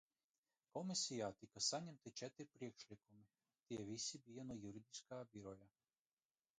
Komisijā tika saņemti četri priekšlikumi, tie visi bija no Juridiskā biroja.